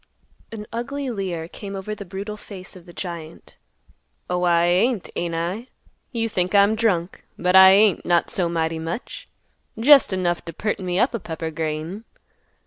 An ugly leer came over the brutal face of the giant; "Oh, I ain't, ain't I? You think I'm drunk. But I ain't, not so mighty much. Jest enough t' perten me up a pepper grain."